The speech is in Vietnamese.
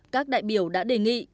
các đại biểu đã đề nghị